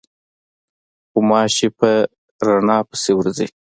غوماشې په رڼا پسې ورځي.